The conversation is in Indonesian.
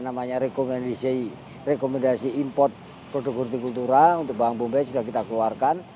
ada namanya rekomendasi import produk hortikultura untuk bawang bombay sudah kita keluarkan